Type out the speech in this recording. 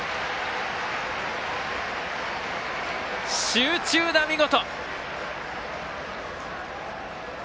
集中打、見事！